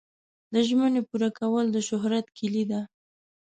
د ژمنې پوره کول د شهرت کلي ده.